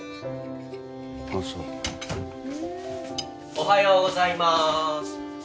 おはようございます。